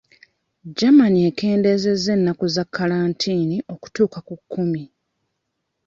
Germany ekendeezezza ennaku za kalantiini okutuuka ku kkumi.